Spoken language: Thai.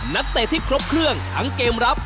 เตะที่ครบเครื่องทั้งเกมรับ